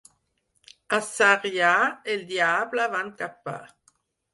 A Sarrià, el diable van capar.